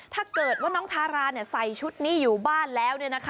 ถ้าเกิดว่าน้องทาราใส่ชุดนี้อยู่บ้านแล้ว